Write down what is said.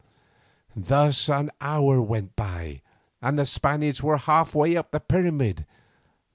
Thus an hour went by, and the Spaniards were half way up the pyramid.